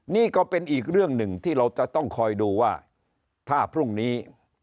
นี่ก็เป็นอีกเรื่องหนึ่งที่เราจะต้องคอยดูว่าถ้าพรุ่งนี้